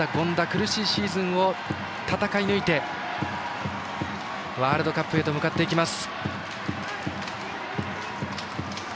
苦しいシーンを戦い抜いてワールドカップへと向かっていきます。